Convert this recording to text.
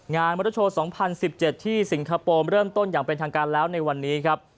งานมอเตอร์โชว์สองพันสิบเจ็ดที่สิงคโปร์เริ่มต้นอย่างเป็นทางการแล้วในวันนี้ครับ